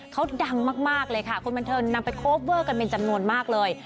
เขาดังมากเลยค่ะคนบันเทิงนำไปโคเวอร์กันเป็นจำนวนมากเลย